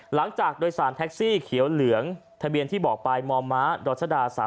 หลังจากโดยสารแท็กซี่เขียวเหลืองทะเบียนที่บอกไปมมดรชดา๓๔